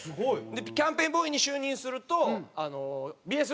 キャンペーンボーイに就任すると。